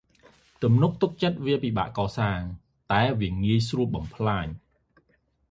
ទំនុកទុកចិត្ត វាពិបាកកសាង តែងាយស្រួលបំផ្លាញ។